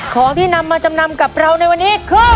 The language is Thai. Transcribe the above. ของที่นำมาจำนำกับเราในวันนี้คือ